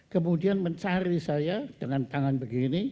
kemudian mencari saya dengan tangan begini